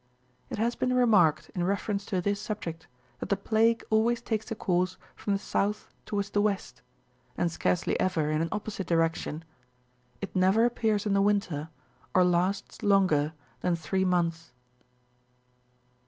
It has been remarked, in reference to this subject, that the plague always takes a course from the south to wards the west,^^ and scarcely ever in an opposite direction ; it never appears in the winter, or lasts longer than three months.